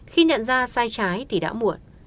khi nhận ra sai trái thì đã muộn